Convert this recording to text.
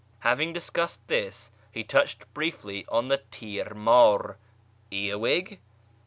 Having discussed this, le touched briefly on the tir mdr (earwig